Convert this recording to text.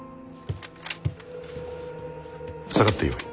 下がってよい。